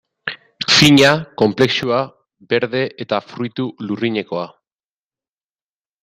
Fina, konplexua, berde eta fruitu lurrinekoa...